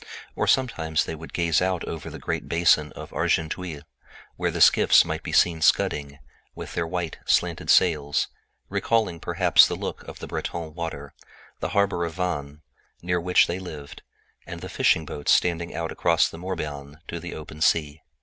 Sometimes they would gaze out over the great basin of Argenteuil, where the skiffs might be seen scudding, with their white, careening sails, recalling perhaps the look of the Breton waters, the harbor of Vanne, near which they lived, and the fishing boats standing out across the Morbihan to the open sea.